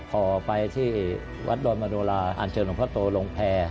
พอไปที่วัดดอนมโดราอันเชิญหลวงพ่อโตลงแพร